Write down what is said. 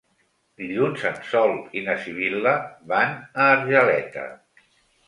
Dilluns en Sol i na Sibil·la van a Argeleta.